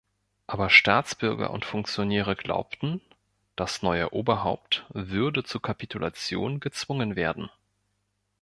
Aber Staatsbürger und Funktionäre glaubten, das neue Oberhaupt würde zur Kapitulation gezwungen werden.